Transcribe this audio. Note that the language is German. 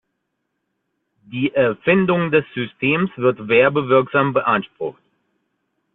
Die Erfindung des Systems wird werbewirksam beansprucht.